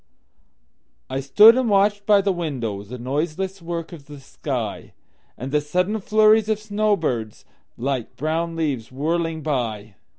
I stood and watched by the windowThe noiseless work of the sky, And the sudden flurries of snow birds, Like brown leaves whirling by.